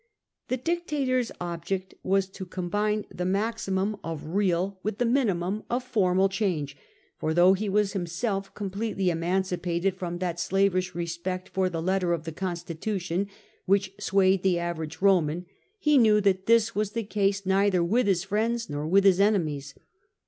The dictator's object was to combine the maximum of real SULLA 148 with the minitrium of formal change ; for though he was himself completely emancipated from that slavish respect for the letter of the constitution which swayed the average Eoman, he knew that this was the case neither with his friends nor with his enemies.